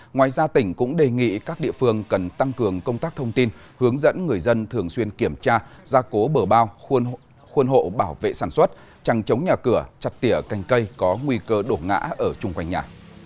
ngoài ra tỉnh cũng đề nghị các địa phương cần tăng cường công tác thông tin hướng dẫn người dân thường xuyên kiểm tra gia cố bờ bao khuôn hộ bảo vệ sản xuất trăng chống nhà cửa chặt tỉa canh cây có nguy cơ đổ ngã ở chung quanh nhà